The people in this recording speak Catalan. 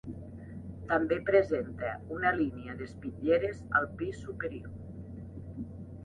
També presenta una línia d'espitlleres al pis superior.